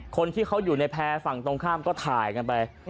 คนที่เขาอยู่ในแพร่ฝั่งตรงข้ามก็ถ่ายกันไป